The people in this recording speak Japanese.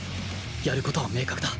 やる事は明確だ